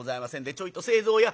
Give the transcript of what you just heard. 「ちょいと清蔵や。